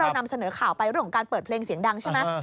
นำเสนอข่าวไปเรื่องของการเปิดเพลงเสียงดังใช่ไหม